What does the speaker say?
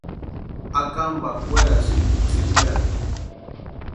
Akamparhu werasïnti tsʼiwiata.